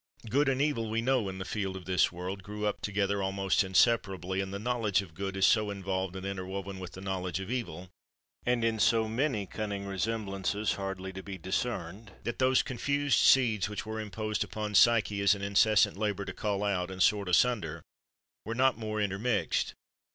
Good and evil we know in the field of this world grew up together almost inseparably ; and the knowledge of good is so involved and inter woven with the knowledge of evil, and in so many cunning resemblances hardly to be dis cerned, that those confused seeds w T hich were imposed upon Psyche as an incessant labor to cull out, and sort asunder, were not more inter mixed.